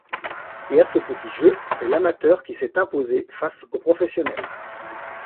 Et à ce petit jeu, c'est l'amateur qui s'est imposé face au professionnel.